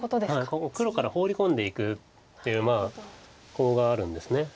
ここ黒からホウリ込んでいくっていうコウがあるんです。